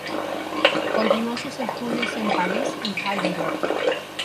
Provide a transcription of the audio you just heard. Continuó sus estudios en París y Heidelberg.